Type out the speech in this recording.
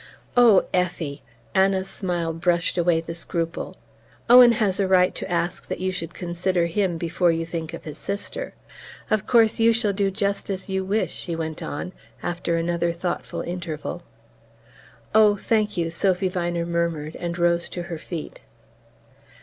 "Oh, Effie! " Anna's smile brushed away the scruple. "Owen has a right to ask that you should consider him before you think of his sister...Of course you shall do just as you wish," she went on, after another thoughtful interval. "Oh, thank you," Sophy Viner murmured and rose to her feet.